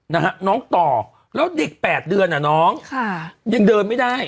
นะฮะน้องต่อแล้วเด็กแปดเดือนอ่ะน้องค่ะยังเดินไม่ได้